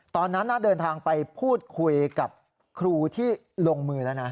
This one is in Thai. ตอนนั้นเดินทางไปพูดคุยกับครูที่ลงมือแล้วนะ